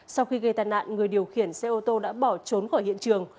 sau khi gây tai nạn người điều khiển xe ô tô đã bỏ trốn khỏi hiện trường